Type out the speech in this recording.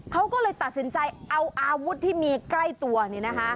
เขาก็เลยตัดสินใจเอาอาวุธที่มีใกล้ตัว